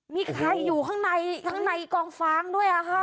มีใครอยู่ข้างในกองฟ้างด้วยอ่ะค่ะ